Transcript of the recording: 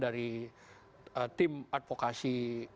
dari tim advokasi